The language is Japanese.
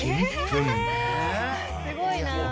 すごいな。